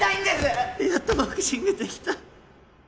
やっとボクシングできた。